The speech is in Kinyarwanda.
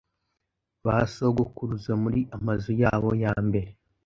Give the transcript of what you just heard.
ba sogokuruza muri amazu yabo ya mbere